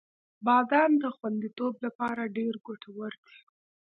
• بادام د خوندیتوب لپاره ډېر ګټور دی.